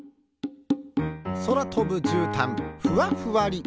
そらとぶじゅうたんふわふわり。